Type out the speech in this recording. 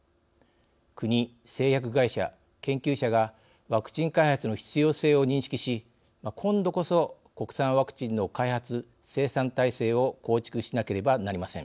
国、製薬会社、研究者がワクチン開発の必要性を認識し今度こそ国産ワクチンの開発・生産体制を構築しなければなりません。